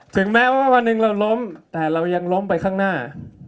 ถึงแม้ว่าวันหนึ่งเราล้มแต่เรายังล้มไปข้างหน้า